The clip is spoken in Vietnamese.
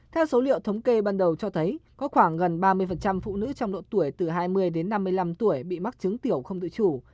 theo số liệu thống kê ban đầu cho thấy có khoảng gần ba mươi phụ nữ trong độ tuổi từ hai mươi đến năm mươi năm tuổi bị mắc chứng tiểu không tự chủ